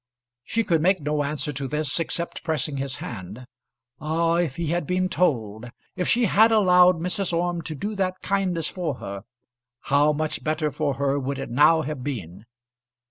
She could make no answer to this except pressing his hand. Ah, if he had been told if she had allowed Mrs. Orme to do that kindness for her, how much better for her would it now have been!